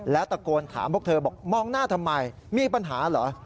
แล้วตะโกนถามพวกเธอบอกมองหน้าทำไมมีปัญหาเหรอ